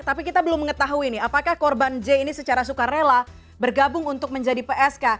tapi kita belum mengetahui nih apakah korban j ini secara sukarela bergabung untuk menjadi psk